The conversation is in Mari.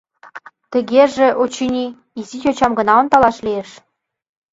— Тыгеже, очыни, изи йочам гына ондалаш лиеш.